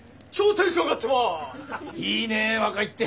いいねえ若いって。